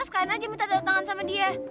sukain aja minta tanda tangan sama dia